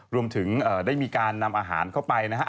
รวมถึงได้มีการนำอาหารเข้าไปนะฮะ